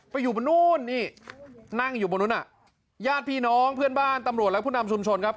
อยู่บนนู้นนี่นั่งอยู่บนนู้นอ่ะญาติพี่น้องเพื่อนบ้านตำรวจและผู้นำชุมชนครับ